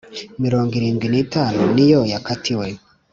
mirongo irindwi n itanu niyo yakatiwe